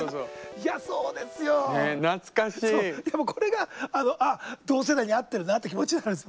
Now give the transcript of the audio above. でもこれがあのあっ同世代に会ってるなって気持ちになるんです。